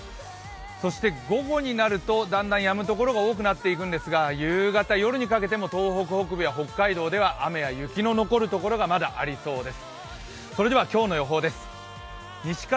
そして午後になるとだんだんやむ所が多くなっていくんですが、夕方、夜にかけても東北北部や北海道でも雨や雪の残る所がまだありそうです。